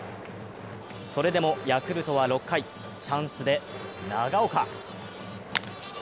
それでもヤクルトは６回、チャンスで長岡。